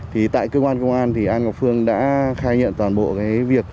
tại cơ quan công an an ngọc phương đã khai nhận toàn bộ việc